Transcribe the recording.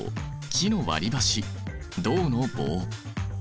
木の割りばし銅の棒。